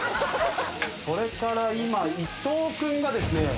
それから今伊藤君がですね